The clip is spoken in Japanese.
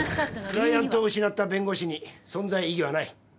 クライアントを失った弁護士に存在意義はない。